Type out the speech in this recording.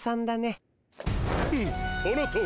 フッそのとおり。